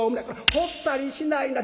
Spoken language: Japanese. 「ほったりしないな。